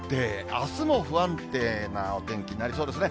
あすも不安定なお天気になりそうですね。